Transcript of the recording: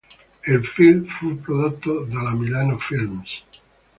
Il film fu prodotto dalla Milano Films.